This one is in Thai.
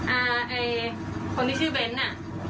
อ่าคนที่ชื่อเวนท์เนี่ย